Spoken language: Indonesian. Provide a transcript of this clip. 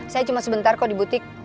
saya cuma sebentar kok di butik